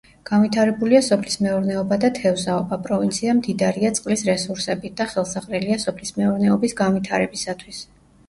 განვითარებულია სოფლის მეურნეობა და თევზაობა, პროვინცია მდიდარია წყლის რესურსებით და ხელსაყრელია სოფლის მეურნეობის განვითარებისათვის.